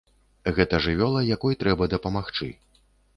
Гэта жывёла, якой трэба дапамагчы.